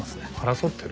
争ってる？